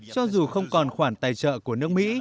cho dù không còn khoản tài trợ của nước mỹ